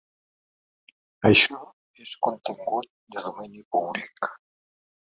Això és contingut de domini públic.